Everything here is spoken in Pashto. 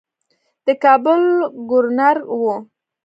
د کابل ګورنر وو.